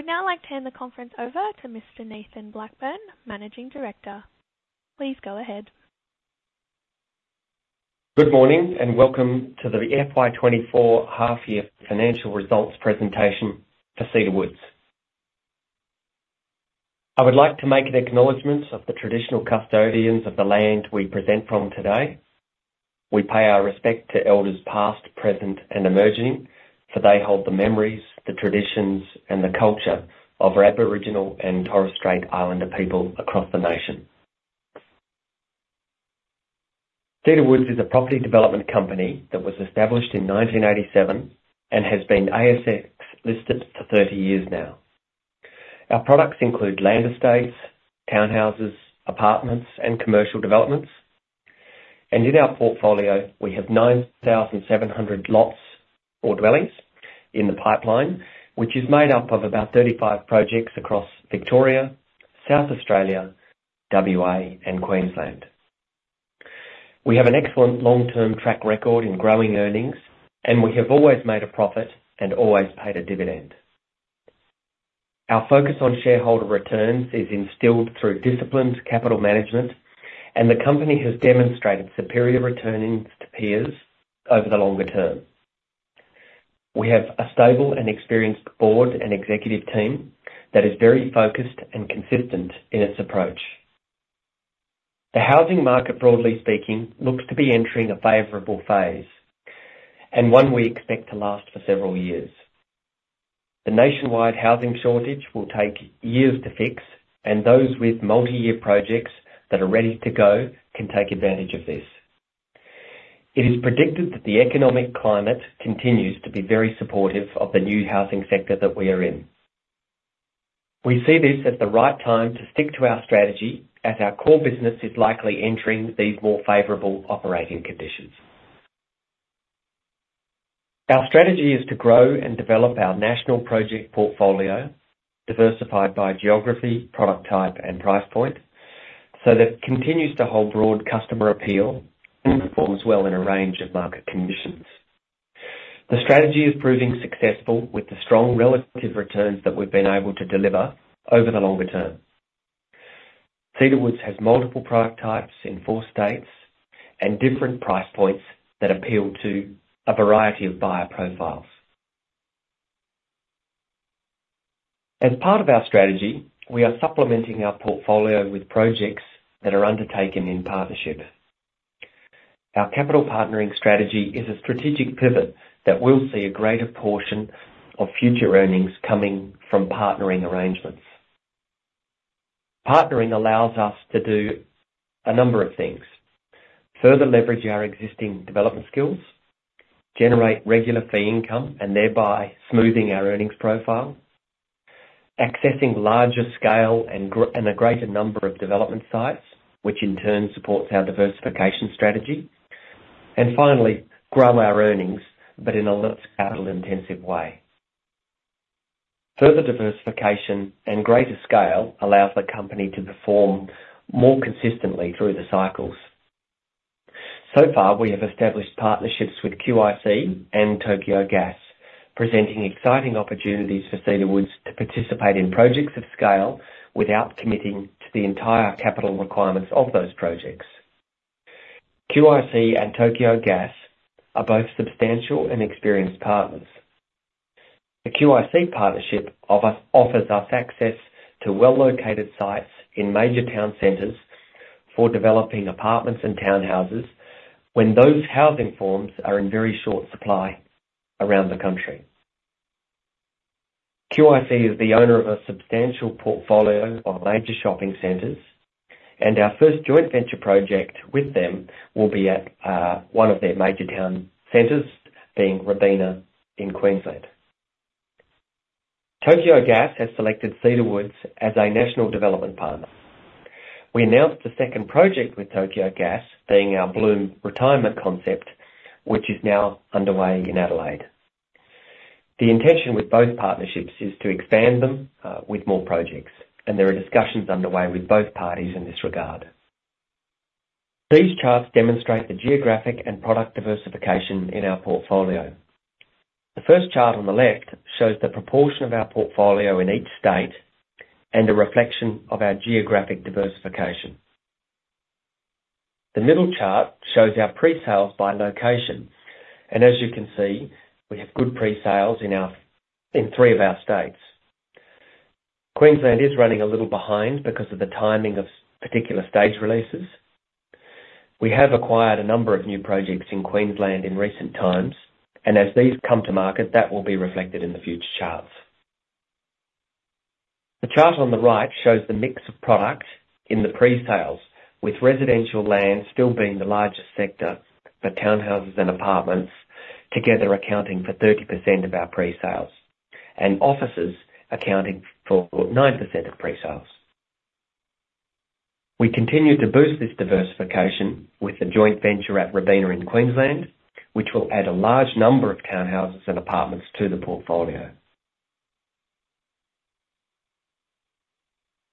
I would now like to hand the conference over to Mr. Nathan Blackburne, Managing Director. Please go ahead. Good morning and welcome to the FY 2024 Half Year Financial Results presentation for Cedar Woods. I would like to make an acknowledgement of the traditional custodians of the land we present from today. We pay our respect to elders past, present, and emerging, for they hold the memories, the traditions, and the culture of our Aboriginal and Torres Strait Islander people across the nation. Cedar Woods is a property development company that was established in 1987 and has been ASX listed for 30 years now. Our products include land estates, townhouses, apartments, and commercial developments. In our portfolio, we have 9,700 lots or dwellings in the pipeline, which is made up of about 35 projects across Victoria, South Australia, WA, and Queensland. We have an excellent long-term track record in growing earnings, and we have always made a profit and always paid a dividend. Our focus on shareholder returns is instilled through disciplined capital management, and the company has demonstrated superior returns to peers over the longer term. We have a stable and experienced board and executive team that is very focused and consistent in its approach. The housing market, broadly speaking, looks to be entering a favorable phase, and one we expect to last for several years. The nationwide housing shortage will take years to fix, and those with multi-year projects that are ready to go can take advantage of this. It is predicted that the economic climate continues to be very supportive of the new housing sector that we are in. We see this as the right time to stick to our strategy as our core business is likely entering these more favorable operating conditions. Our strategy is to grow and develop our national project portfolio, diversified by geography, product type, and price point, so that it continues to hold broad customer appeal and performs well in a range of market conditions. The strategy is proving successful with the strong relative returns that we've been able to deliver over the longer term. Cedar Woods has multiple product types in four states and different price points that appeal to a variety of buyer profiles. As part of our strategy, we are supplementing our portfolio with projects that are undertaken in partnership. Our capital partnering strategy is a strategic pivot that will see a greater portion of future earnings coming from partnering arrangements. Partnering allows us to do a number of things: further leverage our existing development skills, generate regular fee income and thereby smoothing our earnings profile, accessing larger scale and a greater number of development sites, which in turn supports our diversification strategy, and finally, grow our earnings but in a less capital-intensive way. Further diversification and greater scale allows the company to perform more consistently through the cycles. So far, we have established partnerships with QIC and Tokyo Gas, presenting exciting opportunities for Cedar Woods to participate in projects of scale without committing to the entire capital requirements of those projects. QIC and Tokyo Gas are both substantial and experienced partners. The QIC partnership offers us access to well-located sites in major town centers for developing apartments and townhouses when those housing forms are in very short supply around the country. QIC is the owner of a substantial portfolio of major shopping centers, and our first joint venture project with them will be at one of their major town centers, being Robina in Queensland. Tokyo Gas has selected Cedar Woods as a national development partner. We announced a second project with Tokyo Gas being our Bloom retirement concept, which is now underway in Adelaide. The intention with both partnerships is to expand them with more projects, and there are discussions underway with both parties in this regard. These charts demonstrate the geographic and product diversification in our portfolio. The first chart on the left shows the proportion of our portfolio in each state and a reflection of our geographic diversification. The middle chart shows our presales by location, and as you can see, we have good presales in three of our states. Queensland is running a little behind because of the timing of particular stage releases. We have acquired a number of new projects in Queensland in recent times, and as these come to market, that will be reflected in the future charts. The chart on the right shows the mix of product in the presales, with residential land still being the largest sector for townhouses and apartments, together accounting for 30% of our presales, and offices accounting for 9% of presales. We continue to boost this diversification with the joint venture at Robina in Queensland, which will add a large number of townhouses and apartments to the portfolio.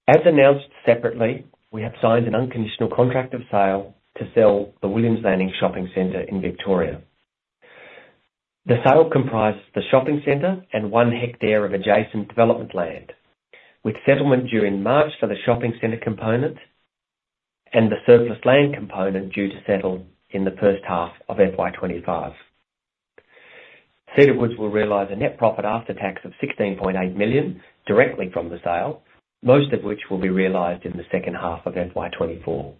As announced separately, we have signed an unconditional contract of sale to sell the Williams Landing Shopping Centre in Victoria. The sale comprises the shopping center and one hectare of adjacent development land, with settlement due in March for the shopping center component and the surplus land component due to settle in the first half of FY 2025. Cedar Woods will realize a net profit after tax of 16.8 million directly from the sale, most of which will be realized in the second half of FY 2024.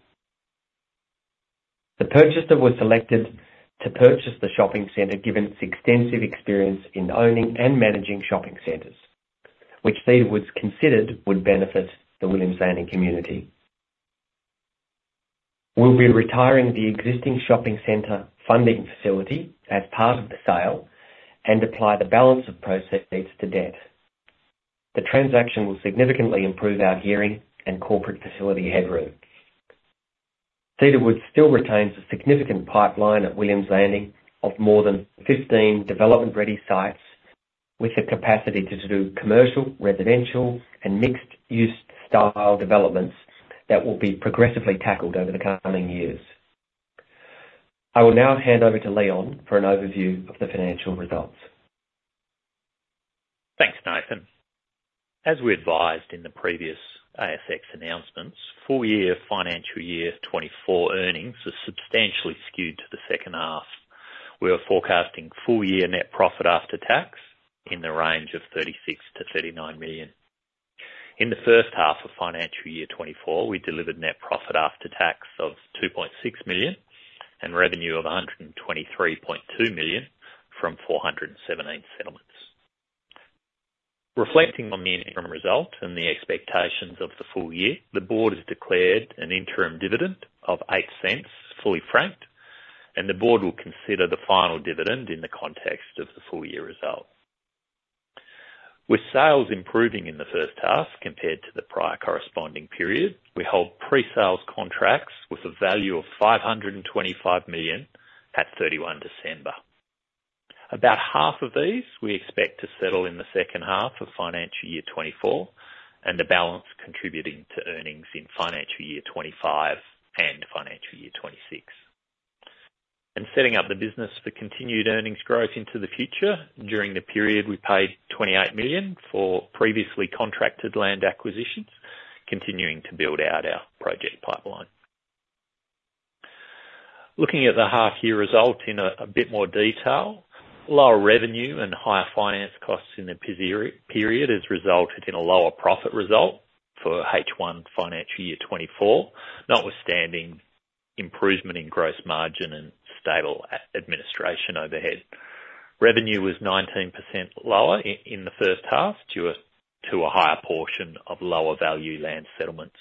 The purchaser was selected to purchase the shopping center given its extensive experience in owning and managing shopping centers, which Cedar Woods considered would benefit the Williams Landing community. We'll be retiring the existing shopping center funding facility as part of the sale and apply the balance of proceeds to debt. The transaction will significantly improve our gearing and corporate facility headroom. Cedar Woods still retains a significant pipeline at Williams Landing of more than 15 development-ready sites with the capacity to do commercial, residential, and mixed-use style developments that will be progressively tackled over the coming years. I will now hand over to Leon for an overview of the financial results. Thanks, Nathan. As we advised in the previous ASX announcements, full-year financial year 2024 earnings are substantially skewed to the second half. We are forecasting full-year net profit after tax in the range of 36 million-39 million. In the first half of financial year 2024, we delivered net profit after tax of 2.6 million and revenue of 123.2 million from 417 settlements. Reflecting on the interim result and the expectations of the full year, the board has declared an interim dividend of 0.08, fully franked, and the board will consider the final dividend in the context of the full-year result. With sales improving in the first half compared to the prior corresponding period, we hold presales contracts with a value of 525 million at 31 December. About half of these we expect to settle in the second half of financial year 2024 and a balance contributing to earnings in financial year 2025 and financial year 2026. Setting up the business for continued earnings growth into the future, during the period, we paid 28 million for previously contracted land acquisitions, continuing to build out our project pipeline. Looking at the half-year result in a bit more detail, lower revenue and higher finance costs in the period have resulted in a lower profit result for H1 financial year 2024, notwithstanding improvement in gross margin and stable administration overhead. Revenue was 19% lower in the first half due to a higher portion of lower-value land settlements.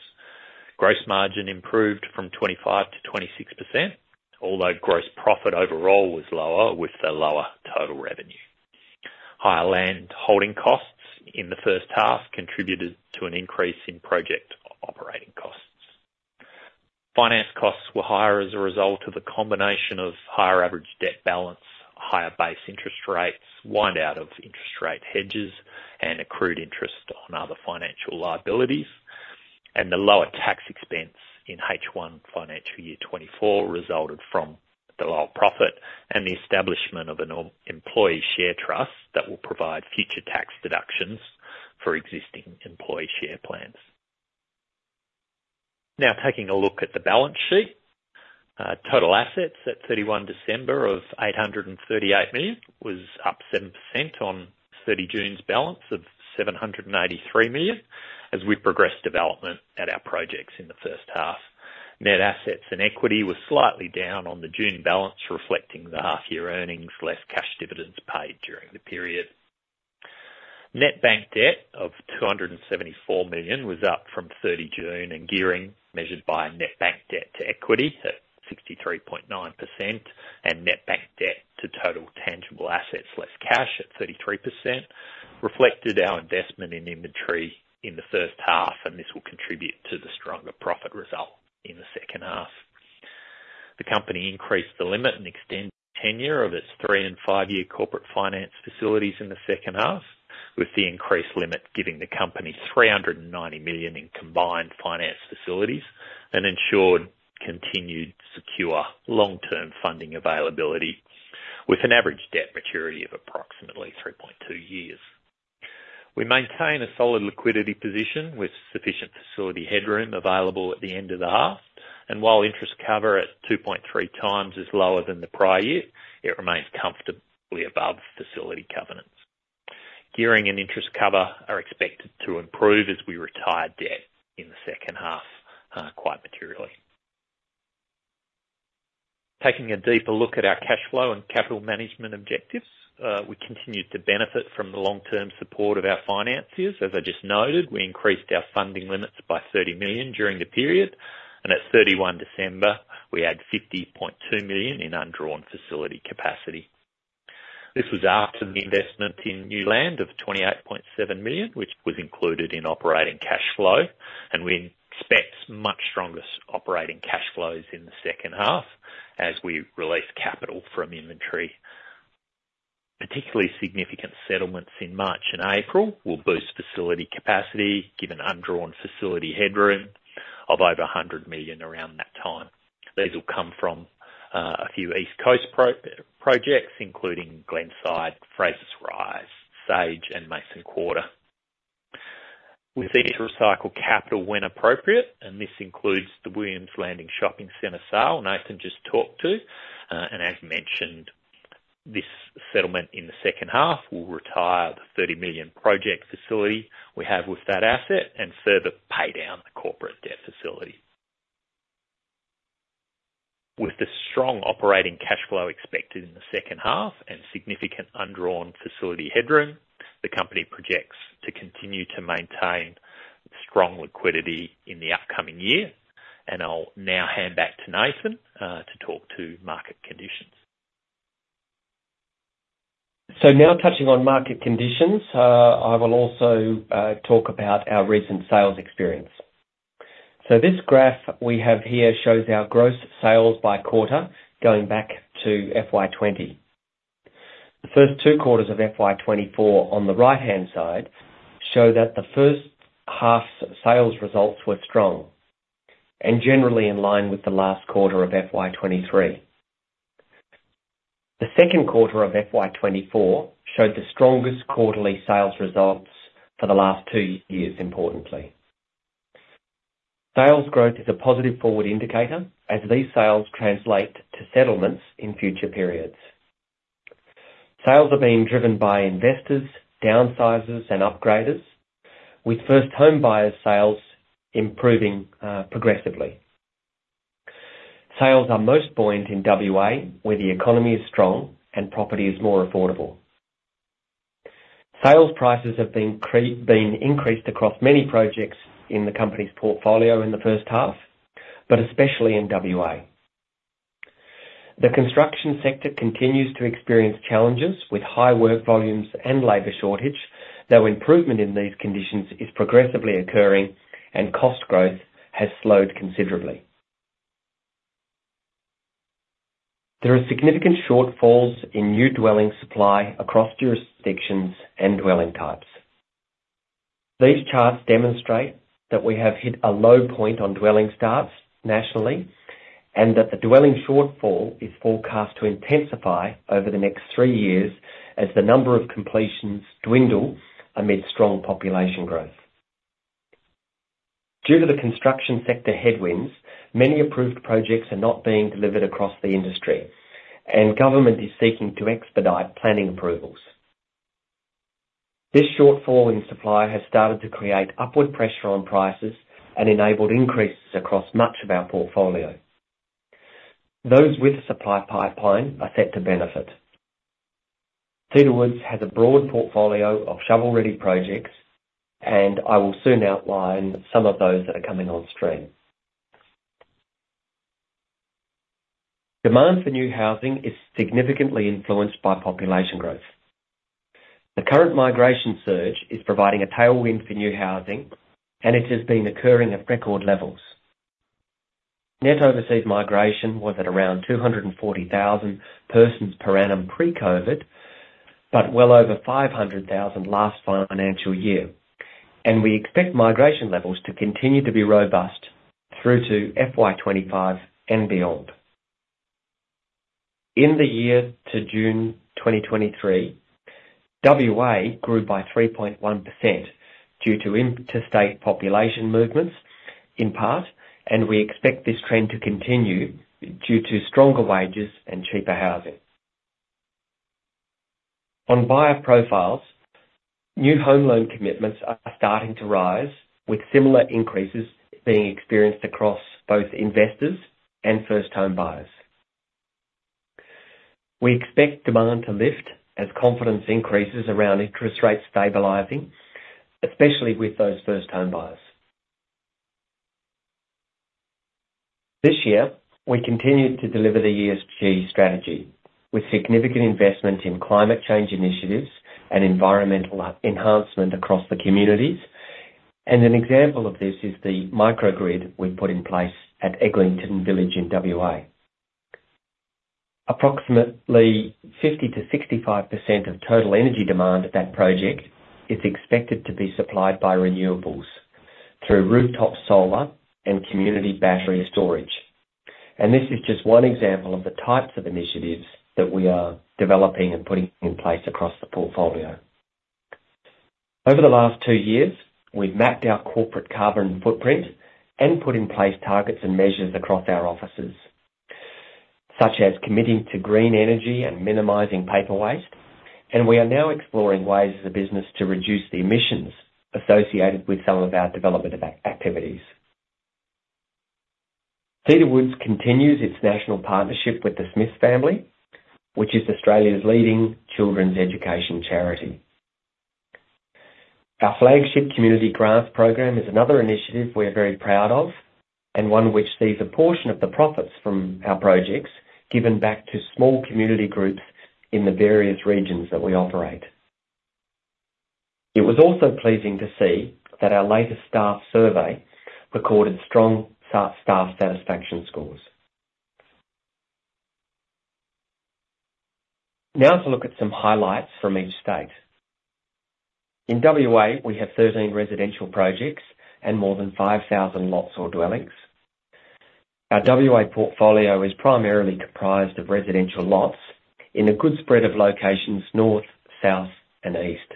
Gross margin improved from 25%-26%, although gross profit overall was lower with the lower total revenue. Higher land holding costs in the first half contributed to an increase in project operating costs. Finance costs were higher as a result of the combination of higher average debt balance, higher base interest rates, wind-out of interest rate hedges, and accrued interest on other financial liabilities. The lower tax expense in H1 financial year 2024 resulted from the lower profit and the establishment of an employee share trust that will provide future tax deductions for existing employee share plans. Now, taking a look at the balance sheet, total assets at 31 December of 838 million was up 7% on 30 June's balance of 783 million as we progressed development at our projects in the first half. Net assets and equity were slightly down on the June balance, reflecting the half-year earnings, less cash dividends paid during the period. Net bank debt of 274 million was up from 30 June and gearing measured by net bank debt to equity at 63.9% and net bank debt to total tangible assets, less cash, at 33% reflected our investment in inventory in the first half, and this will contribute to the stronger profit result in the second half. The company increased the limit and extended tenure of its three- and five-year corporate finance facilities in the second half, with the increased limit giving the company 390 million in combined finance facilities and ensured continued secure long-term funding availability, with an average debt maturity of approximately 3.2 years. We maintain a solid liquidity position with sufficient facility headroom available at the end of the half, and while interest cover at 2.3x is lower than the prior year, it remains comfortably above facility covenants. Gearing and interest cover are expected to improve as we retire debt in the second half quite materially. Taking a deeper look at our cash flow and capital management objectives, we continue to benefit from the long-term support of our financiers. As I just noted, we increased our funding limits by 30 million during the period, and at 31 December, we added 50.2 million in undrawn facility capacity. This was after the investment in new land of 28.7 million, which was included in operating cash flow, and we expect much stronger operating cash flows in the second half as we release capital from inventory. Particularly significant settlements in March and April will boost facility capacity given undrawn facility headroom of over 100 million around that time. These will come from a few East Coast projects, including Glenside, Fraser Risee, Sage, and Mason Quarter. We seek to recycle capital when appropriate, and this includes the Williams Landing Shopping Centre sale Nathan just talked to. As mentioned, this settlement in the second half will retire the 30 million project facility we have with that asset and further pay down the corporate debt facility. With the strong operating cash flow expected in the second half and significant undrawn facility headroom, the company projects to continue to maintain strong liquidity in the upcoming year. I'll now hand back to Nathan to talk to market conditions. So, now touching on market conditions, I will also talk about our recent sales experience. So, this graph we have here shows our gross sales by quarter going back to FY 2020. The first two quarters of FY 2024 on the right-hand side show that the first half's sales results were strong and generally in line with the last quarter of FY 2023. The second quarter of FY 2024 showed the strongest quarterly sales results for the last two years, importantly. Sales growth is a positive forward indicator as these sales translate to settlements in future periods. Sales are being driven by investors, downsizers, and upgraders, with first home buyers' sales improving progressively. Sales are most buoyant in WA, where the economy is strong and property is more affordable. Sales prices have been increased across many projects in the company's portfolio in the first half, but especially in WA. The construction sector continues to experience challenges with high work volumes and labor shortage, though improvement in these conditions is progressively occurring, and cost growth has slowed considerably. There are significant shortfalls in new dwelling supply across jurisdictions and dwelling types. These charts demonstrate that we have hit a low point on dwelling starts nationally and that the dwelling shortfall is forecast to intensify over the next three years as the number of completions dwindle amid strong population growth. Due to the construction sector headwinds, many approved projects are not being delivered across the industry, and government is seeking to expedite planning approvals. This shortfall in supply has started to create upward pressure on prices and enabled increases across much of our portfolio. Those with a supply pipeline are set to benefit. Cedar Woods has a broad portfolio of shovel-ready projects, and I will soon outline some of those that are coming on stream. Demand for new housing is significantly influenced by population growth. The current migration surge is providing a tailwind for new housing, and it has been occurring at record levels. Net overseas migration was at around 240,000 persons per annum pre-COVID but well over 500,000 last financial year. We expect migration levels to continue to be robust through to FY 2025 and beyond. In the year to June 2023, WA grew by 3.1% due to interstate population movements, in part, and we expect this trend to continue due to stronger wages and cheaper housing. On buyer profiles, new home loan commitments are starting to rise, with similar increases being experienced across both investors and first home buyers. We expect demand to lift as confidence increases around interest rates stabilizing, especially with those first home buyers. This year, we continue to deliver the ESG strategy with significant investment in climate change initiatives and environmental enhancement across the communities. An example of this is the microgrid we put in place at Eglinton Village in WA. Approximately 50%-65% of total energy demand at that project is expected to be supplied by renewables through rooftop solar and community battery storage. This is just one example of the types of initiatives that we are developing and putting in place across the portfolio. Over the last two years, we've mapped our corporate carbon footprint and put in place targets and measures across our offices, such as committing to green energy and minimizing paper waste. We are now exploring ways as a business to reduce the emissions associated with some of our development activities. Cedar Woods continues its national partnership with The Smith Family, which is Australia's leading children's education charity. Our flagship community grants program is another initiative we are very proud of and one which sees a portion of the profits from our projects given back to small community groups in the various regions that we operate. It was also pleasing to see that our latest staff survey recorded strong staff satisfaction scores. Now, to look at some highlights from each state. In WA, we have 13 residential projects and more than 5,000 lots or dwellings. Our WA portfolio is primarily comprised of residential lots in a good spread of locations north, south, and east.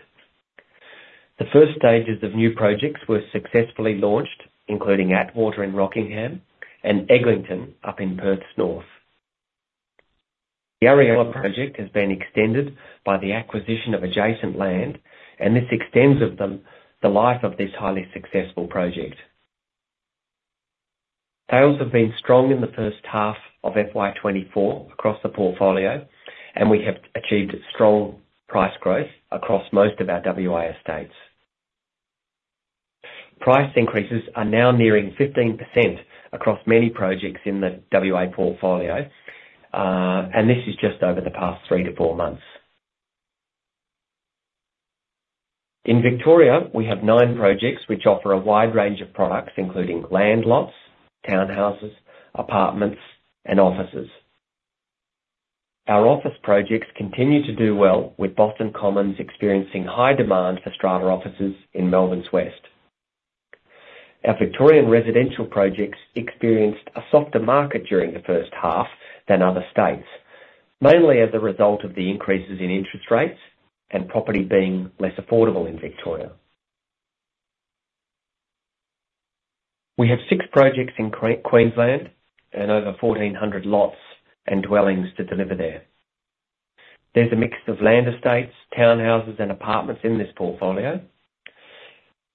The first stages of new projects were successfully launched, including Atwater in Rockingham and Eglinton up in Perth North. The Ariella project has been extended by the acquisition of adjacent land, and this extends the life of this highly successful project. Sales have been strong in the first half of FY 2024 across the portfolio, and we have achieved strong price growth across most of our WA estates. Price increases are now nearing 15% across many projects in the WA portfolio, and this is just over the past three to four months. In Victoria, we have nine projects which offer a wide range of products, including land lots, townhouses, apartments, and offices. Our office projects continue to do well, with Boston Commons experiencing high demand for strata offices in Melbourne's west. Our Victoria residential projects experienced a softer market during the first half than other states, mainly as a result of the increases in interest rates and property being less affordable in Victoria. We have six projects in Queensland and over 1,400 lots and dwellings to deliver there. There's a mix of land estates, townhouses, and apartments in this portfolio.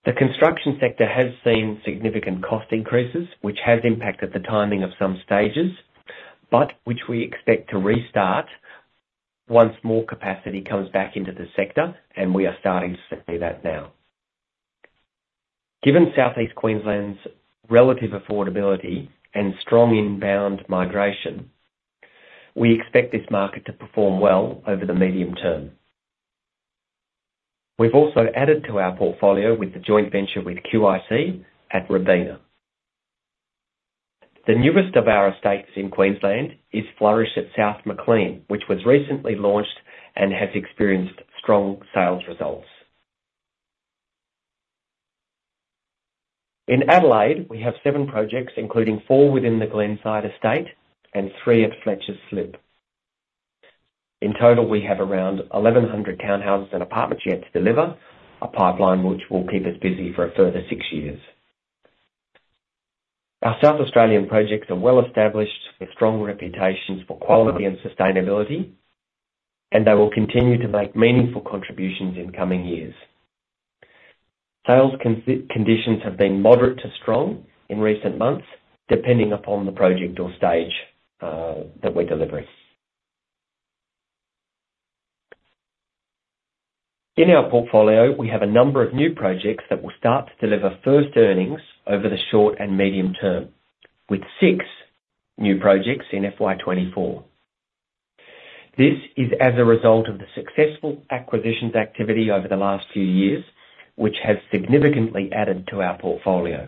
The construction sector has seen significant cost increases, which has impacted the timing of some stages but which we expect to restart once more capacity comes back into the sector, and we are starting to see that now. Given South East Queensland's relative affordability and strong inbound migration, we expect this market to perform well over the medium term. We've also added to our portfolio with the joint venture with QIC at Robina. The newest of our estates in Queensland is Flourish at South Maclean, which was recently launched and has experienced strong sales results. In Adelaide, we have seven projects, including four within the Glenside estate and three at Fletcher's Slip. In total, we have around 1,100 townhouses and apartments yet to deliver, a pipeline which will keep us busy for a further six years. Our South Australian projects are well-established with strong reputations for quality and sustainability, and they will continue to make meaningful contributions in coming years. Sales conditions have been moderate to strong in recent months, depending upon the project or stage that we're delivering. In our portfolio, we have a number of new projects that will start to deliver first earnings over the short and medium term, with six new projects in FY 2024. This is as a result of the successful acquisitions activity over the last few years, which has significantly added to our portfolio.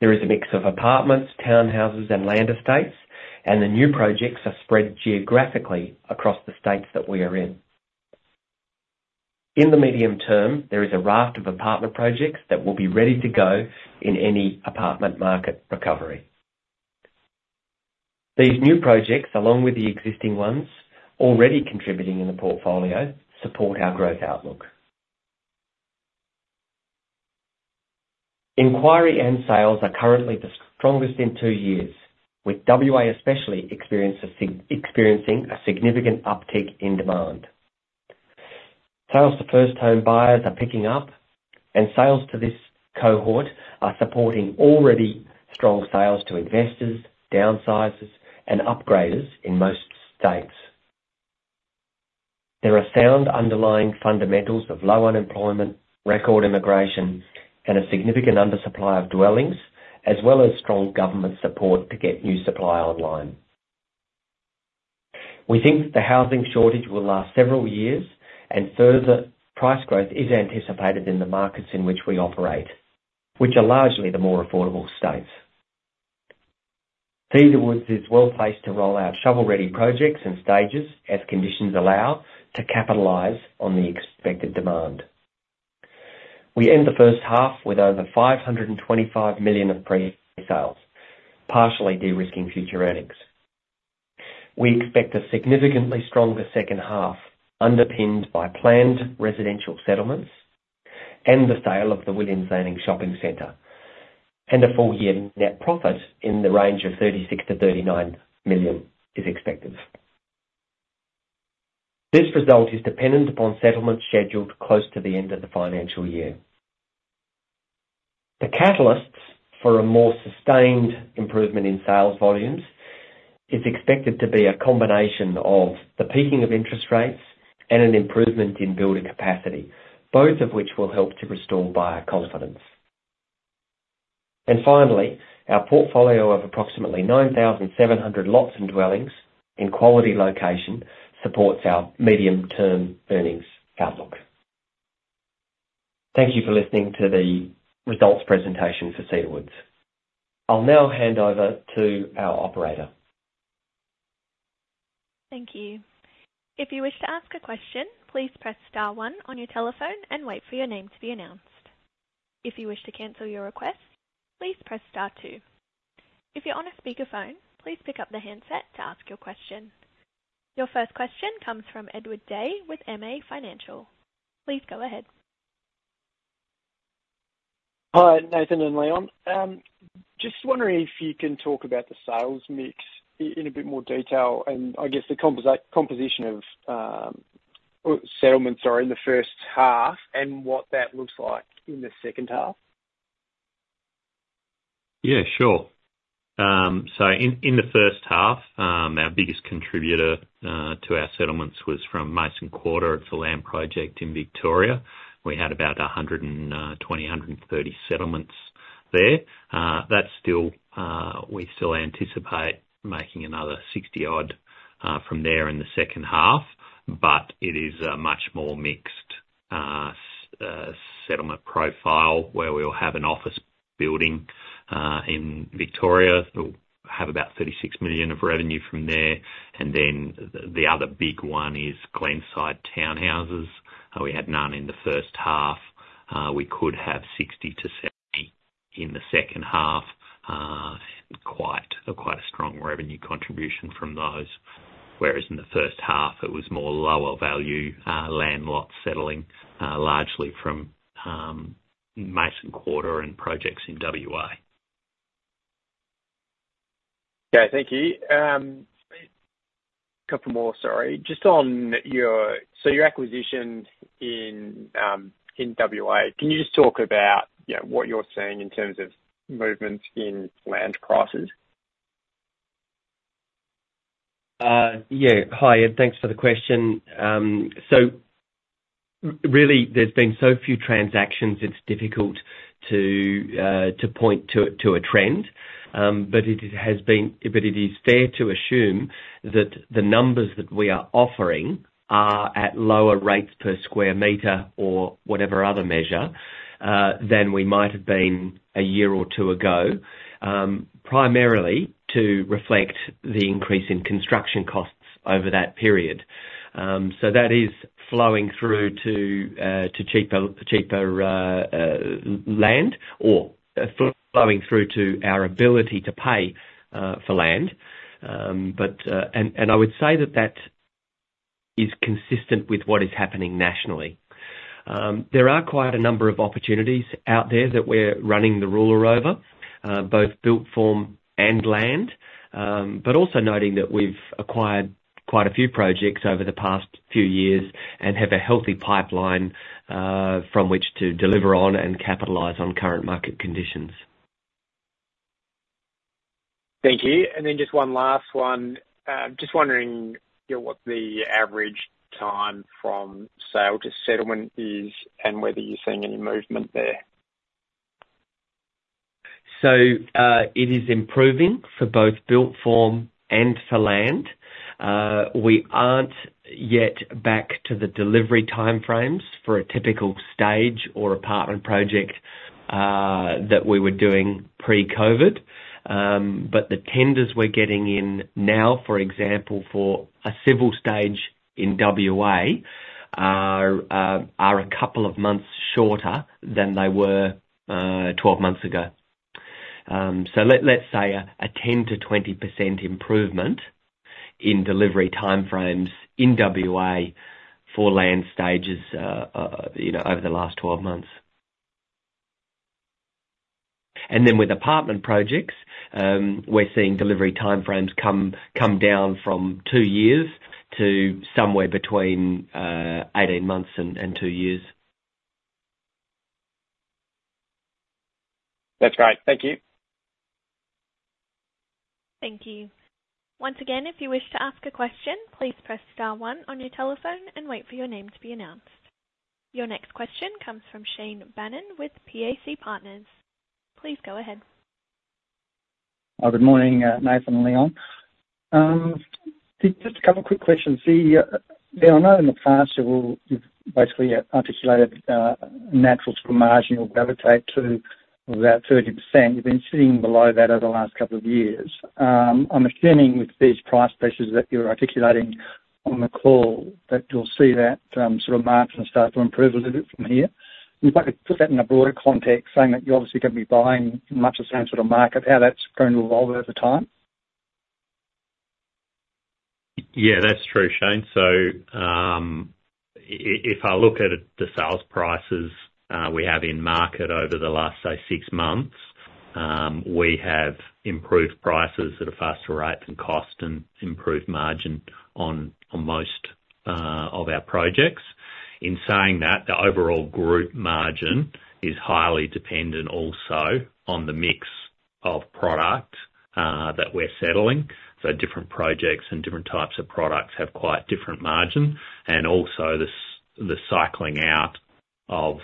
There is a mix of apartments, townhouses, and land estates, and the new projects are spread geographically across the states that we are in. In the medium term, there is a raft of apartment projects that will be ready to go in any apartment market recovery. These new projects, along with the existing ones already contributing in the portfolio, support our growth outlook. Inquiry and sales are currently the strongest in two years, with WA especially experiencing a significant uptick in demand. Sales to first home buyers are picking up, and sales to this cohort are supporting already strong sales to investors, downsizers, and upgraders in most states. There are sound underlying fundamentals of low unemployment, record immigration, and a significant undersupply of dwellings, as well as strong government support to get new supply online. We think that the housing shortage will last several years, and further price growth is anticipated in the markets in which we operate, which are largely the more affordable states. Cedar Woods is well placed to roll out shovel-ready projects and stages, as conditions allow, to capitalize on the expected demand. We end the first half with over 525 million of pre-sales, partially de-risking future earnings. We expect a significantly stronger second half underpinned by planned residential settlements and the sale of the Williams Landing Shopping Centre, and a full-year net profit in the range of 36 million-39 million is expected. This result is dependent upon settlements scheduled close to the end of the financial year. The catalysts for a more sustained improvement in sales volumes is expected to be a combination of the peaking of interest rates and an improvement in builder capacity, both of which will help to restore buyer confidence. And finally, our portfolio of approximately 9,700 lots and dwellings in quality location supports our medium-term earnings outlook. Thank you for listening to the results presentation for Cedar Woods. I'll now hand over to our operator. Thank you. If you wish to ask a question, please press star one on your telephone and wait for your name to be announced. If you wish to cancel your request, please press star two. If you're on a speakerphone, please pick up the handset to ask your question. Your first question comes from Edward Day with MA Financial. Please go ahead. Hi, Nathan and Leon. Just wondering if you can talk about the sales mix in a bit more detail and, I guess, the composition of settlements, sorry, in the first half and what that looks like in the second half? Yeah, sure. So, in the first half, our biggest contributor to our settlements was from Mason Quarter. It's a land project in Victoria. We had about 120-130 settlements there. We still anticipate making another 60-odd from there in the second half, but it is a much more mixed settlement profile where we'll have an office building in Victoria. We'll have about 36 million of revenue from there. And then, the other big one is Glenside townhouses. We had none in the first half. We could have 60-70 in the second half and quite a strong revenue contribution from those. Whereas in the first half, it was more lower-value land lot settling, largely from Mason Quarter and projects in WA. Okay. Thank you. Couple more, sorry. Just on your Subiaco acquisition in WA. Can you just talk about what you're seeing in terms of movements in land prices? Yeah. Hi, Ed. Thanks for the question. So, really, there's been so few transactions, it's difficult to point to a trend. But, it is fair to assume that the numbers that we are offering are at lower rates per square meter or whatever other measure than we might have been a year or two ago, primarily to reflect the increase in construction costs over that period. So, that is flowing through to cheaper land or flowing through to our ability to pay for land. And, I would say that that is consistent with what is happening nationally. There are quite a number of opportunities out there that we're running the ruler over, both built form and land, but also noting that we've acquired quite a few projects over the past few years and have a healthy pipeline from which to deliver on and capitalize on current market conditions. Thank you. And then just one last one. Just wondering what the average time from sale to settlement is and whether you're seeing any movement there. So, it is improving for both built form and for land. We aren't yet back to the delivery timeframes for a typical stage or apartment project that we were doing pre-COVID. But, the tenders we're getting in now, for example, for a civil stage in WA are a couple of months shorter than they were 12 months ago. So, let's say a 10%-20% improvement in delivery timeframes in WA for land stages over the last 12 months. And then with apartment projects, we're seeing delivery timeframes come down from two years to somewhere between 18 months and two years. That's right. Thank you. Thank you. Once again, if you wish to ask a question, please press star one on your telephone and wait for your name to be announced. Your next question comes from Shane Bannan with PAC Partners. Please go ahead. Oh, good morning, Nathan and Leon. Just a couple of quick questions. Leon, I know in the past you've basically articulated a natural sort of margin you'll gravitate to of about 30%. You've been sitting below that over the last couple of years. I'm assuming with these price pressures that you're articulating on the call that you'll see that sort of margin start to improve a little bit from here. If I could put that in a broader context, saying that you're obviously going to be buying much the same sort of market, how that's going to evolve over time? Yeah, that's true, Shane. So, if I look at the sales prices we have in market over the last, say, six months, we have improved prices at a faster rate than cost and improved margin on most of our projects. In saying that, the overall group margin is highly dependent also on the mix of product that we're settling. So, different projects and different types of products have quite different margin. And also, the cycling out of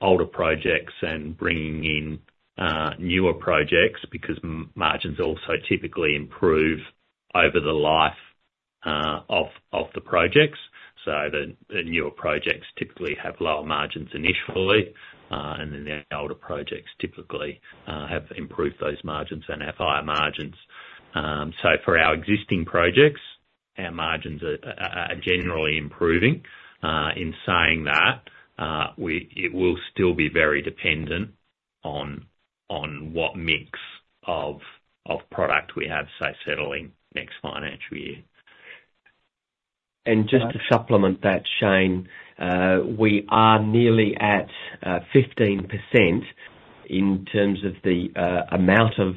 older projects and bringing in newer projects because margins also typically improve over the life of the projects. So, the newer projects typically have lower margins initially, and then the older projects typically have improved those margins and have higher margins. So, for our existing projects, our margins are generally improving. In saying that, it will still be very dependent on what mix of product we have, say, settling next financial year. Just to supplement that, Shane, we are nearly at 15% in terms of the amount of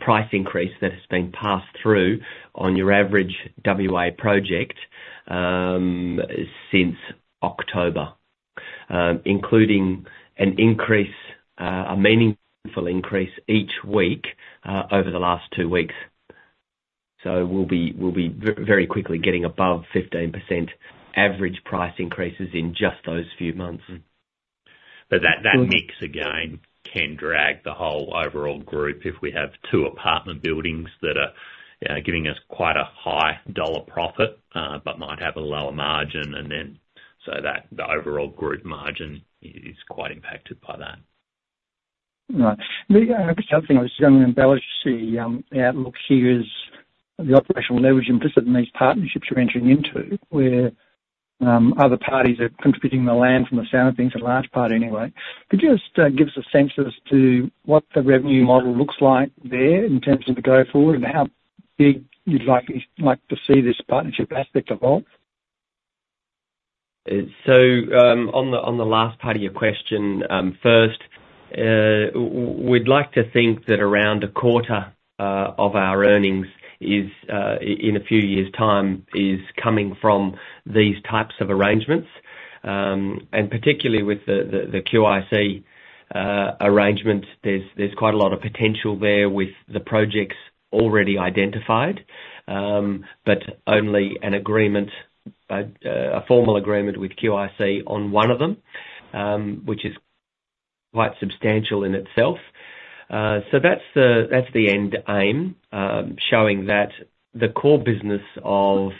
price increase that has been passed through on your average WA project since October, including a meaningful increase each week over the last two weeks. We'll be very quickly getting above 15% average price increases in just those few months. But that mix again can drag the whole overall group if we have two apartment buildings that are giving us quite a high dollar profit but might have a lower margin. And then, so the overall group margin is quite impacted by that. Right. Just one thing. I was just going to embellish the outlook here as the operational leverage implicit in these partnerships you're entering into, where other parties are contributing the land from the sound of things, a large part anyway. Could you just give us a sense as to what the revenue model looks like there in terms of the go-forward and how big you'd like to see this partnership aspect evolve? So, on the last part of your question, first, we'd like to think that around a quarter of our earnings in a few years' time is coming from these types of arrangements. And, particularly with the QIC arrangement, there's quite a lot of potential there with the projects already identified but only an agreement, a formal agreement with QIC on one of them, which is quite substantial in itself. So, that's the end aim, showing that the core business of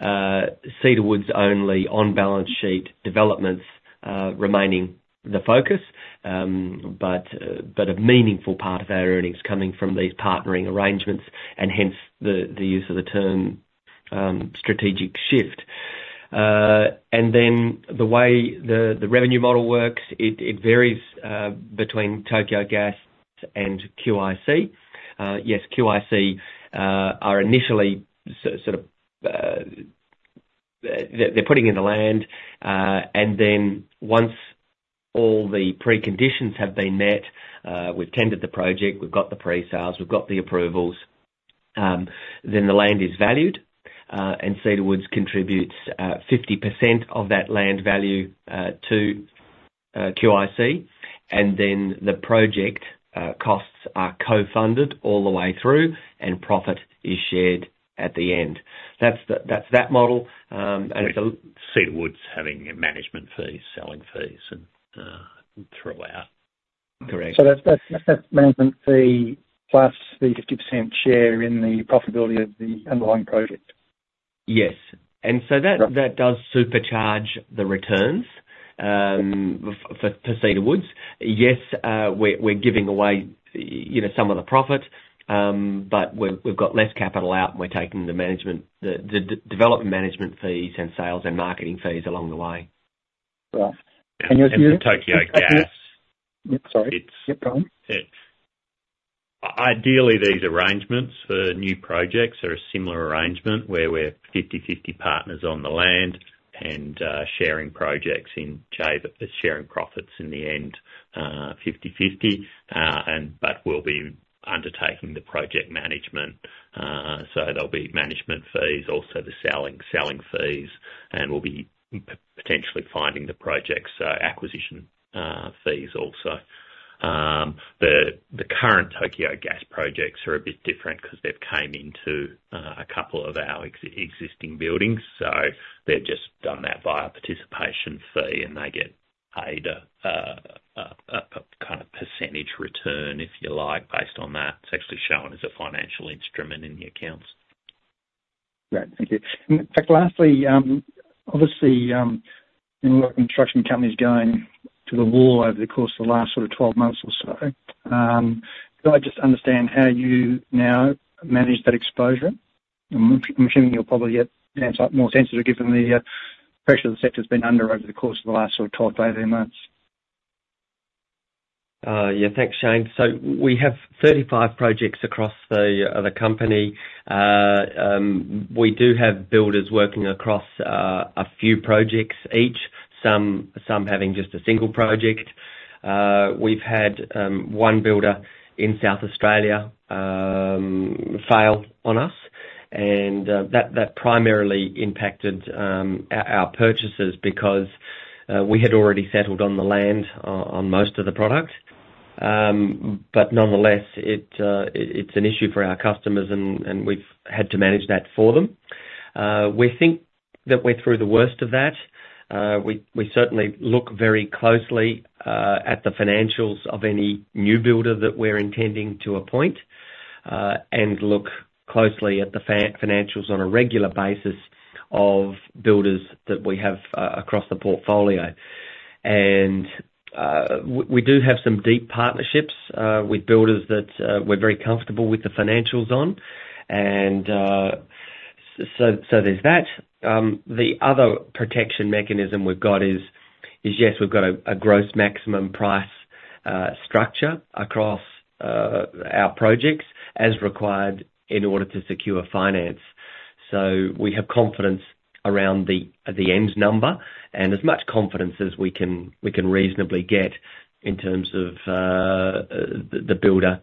Cedar Woods only on balance sheet developments remaining the focus, but a meaningful part of their earnings coming from these partnering arrangements and hence the use of the term strategic shift. And then, the way the revenue model works, it varies between Tokyo Gas and QIC. Yes, QIC are initially sort of they're putting in the land. And then, once all the preconditions have been met, we've tended the project, we've got the pre-sales, we've got the approvals, then the land is valued. Cedar Woods contributes 50% of that land value to QIC. And then the project costs are co-funded all the way through, and profit is shared at the end. That's that model. And, it's Cedar Woods having management fees, selling fees throughout. Correct. That's management fee plus the 50% share in the profitability of the underlying project? Yes. And so, that does supercharge the returns for Cedar Woods. Yes, we're giving away some of the profit, but we've got less capital out, and we're taking the development management fees and sales and marketing fees along the way. Right. And your.. For Tokyo Gas. Yep. Sorry. Yep. Go on. Ideally, these arrangements for new projects are a similar arrangement where we're 50/50 partners on the land and sharing projects in sharing profits in the end, 50/50, but we'll be undertaking the project management. So, there'll be management fees, also the selling fees, and we'll be potentially finding the projects, so acquisition fees also. The current Tokyo Gas projects are a bit different because they've came into a couple of our existing buildings. So, they've just done that via participation fee, and they get paid a kind of percentage return, if you like, based on that. It's actually shown as a financial instrument in the accounts. Right. Thank you. In fact, lastly, obviously, you know construction companies going to the wall over the course of the last sort of 12 months or so. Could I just understand how you now manage that exposure? I'm assuming you'll probably get more sensitive given the pressure the sector's been under over the course of the last sort of 12, 13 months. Yeah. Thanks, Shane. So, we have 35 projects across the company. We do have builders working across a few projects each, some having just a single project. We've had one builder in South Australia fail on us. That primarily impacted our purchases because we had already settled on the land on most of the product. But nonetheless, it's an issue for our customers, and we've had to manage that for them. We think that we're through the worst of that. We certainly look very closely at the financials of any new builder that we're intending to appoint and look closely at the financials on a regular basis of builders that we have across the portfolio. We do have some deep partnerships with builders that we're very comfortable with the financials on. So, there's that. The other protection mechanism we've got is, yes, we've got a gross maximum price structure across our projects as required in order to secure finance. So, we have confidence around the end number and as much confidence as we can reasonably get in terms of the builder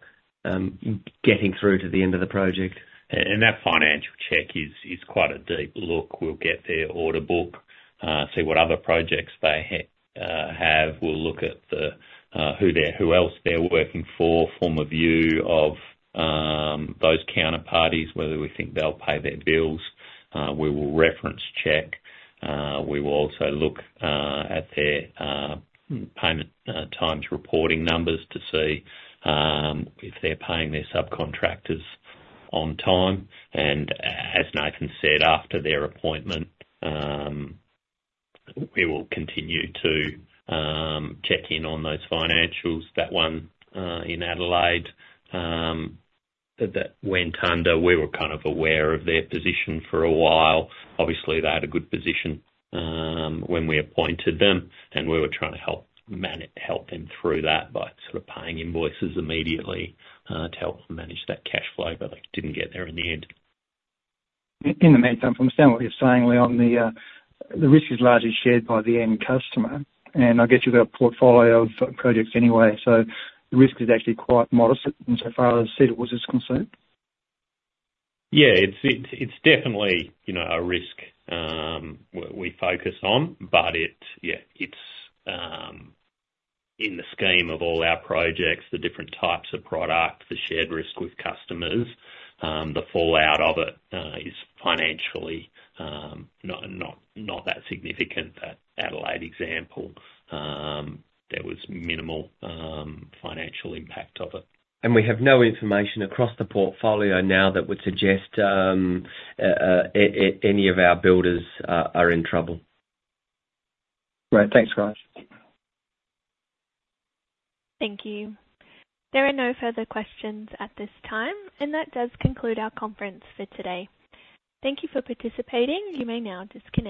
getting through to the end of the project. And, that financial check is quite a deep look. We'll get their order book, see what other projects they have. We'll look at who else they're working for, form of view of those counterparties, whether we think they'll pay their bills. We will reference check. We will also look at their payment times reporting numbers to see if they're paying their subcontractors on time. And, as Nathan said, after their appointment, we will continue to check in on those financials. That one in Adelaide, that went under, we were kind of aware of their position for a while. Obviously, they had a good position when we appointed them, and we were trying to help them through that by sort of paying invoices immediately to help them manage that cash flow, but they didn't get there in the end. In the meantime, from understanding what you're saying, Leon, the risk is largely shared by the end customer. I guess you've got a portfolio of projects anyway, so the risk is actually quite modest insofar as Cedar Woods is concerned. Yeah. It's definitely a risk we focus on, but yeah, it's in the scheme of all our projects, the different types of product, the shared risk with customers. The fallout of it is financially not that significant, that Adelaide example. There was minimal financial impact of it. We have no information across the portfolio now that would suggest any of our builders are in trouble. Right. Thanks, guys. Thank you. There are no further questions at this time, and that does conclude our conference for today. Thank you for participating. You may now disconnect.